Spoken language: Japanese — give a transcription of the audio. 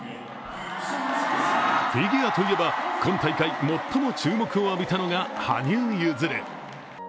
フィギュアといえば、今大会最も注目を浴びたのが羽生結弦。